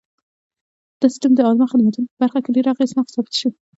دا سیستم د عامه خدمتونو په برخه کې ډېر اغېزناک ثابت شو.